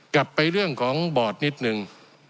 กลับไปเรื่องของบอร์ดนิดนึง